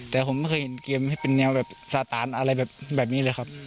แต่ผมไม่เคยเห็นเกมให้เป็นแนวแบบสาตานอะไรแบบนี้เลยครับ